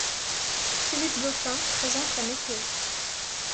Philippe Goffin présente la météo.